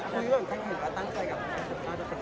ถ้าพูดเรื่องพิมพ์นายตั้งใจกับแคนชาย